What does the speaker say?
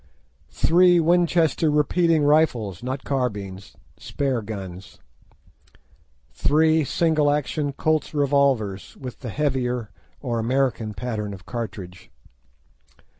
"Three Winchester repeating rifles (not carbines), spare guns. "Three single action Colt's revolvers, with the heavier, or American pattern of cartridge."